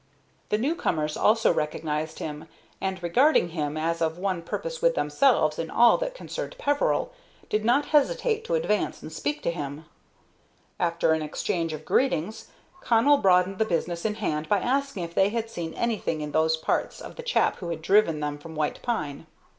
The new comers also recognized him, and, regarding him as of one purpose with themselves in all that concerned Peveril, did not hesitate to advance and speak to him. After an exchange of greetings, Connell broached the business in hand by asking if they had seen anything in those parts of the chap who had driven them from White Pine.